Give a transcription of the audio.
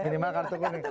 minimal kartu kuning